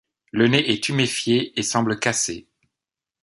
Le nez est tuméfié est semble cassé.